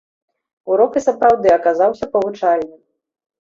Урок і сапраўды аказаўся павучальным.